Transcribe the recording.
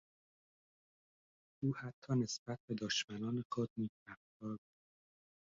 او حتی نسبت به دشمنان خود نیک رفتار بود.